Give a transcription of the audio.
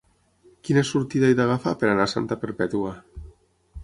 Quina sortida he d'agafar per anar a Santa Perpètua?